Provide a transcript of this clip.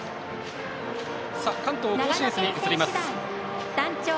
関東・甲信越に移ります。